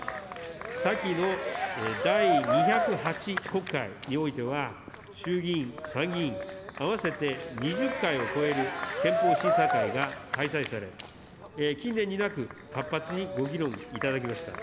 先の第２０８国会においては、衆議院・参議院合わせて２０回を超える憲法審査会が開催され、近年になく、活発にご議論いただきました。